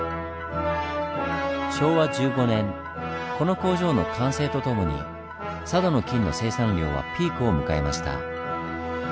昭和１５年この工場の完成とともに佐渡の金の生産量はピークを迎えました。